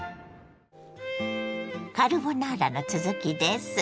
カルボナーラの続きです。